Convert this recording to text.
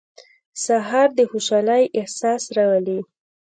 سهار د خوشحالۍ احساس راولي.